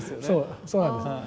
そうそうなんです。